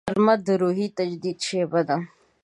غرمه د روحي تجدید شیبه ده